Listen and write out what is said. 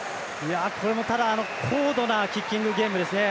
これも高度なキッキングゲームですね。